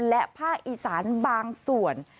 และภาคอีสานบางส่วน